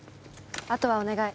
あとはお願い。